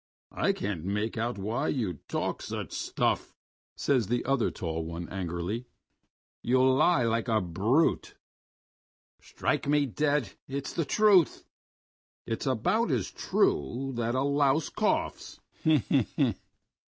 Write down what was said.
"I can't make out why you talk such stuff," says the other tall one angrily. "You lie like a brute." "Strike me dead, it's the truth!..." "It's about as true as that a louse coughs."